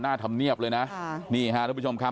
น่าทำเนียบเลยนะ